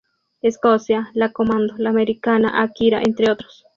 Escocia, La Comando, la Americana, Akira, entre otros.